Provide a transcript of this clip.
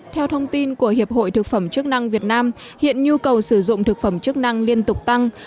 theo thông tin của hiệp hội thực phẩm chức năng việt nam hiện nhu cầu sử dụng thực phẩm chức năng liên tục tăng